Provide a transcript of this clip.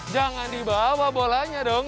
jangan dibawa bolanya dong